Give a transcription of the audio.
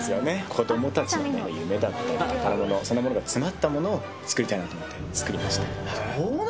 子どもたちの夢だったり宝物そのものが詰まったものを作りたいなと思って作りました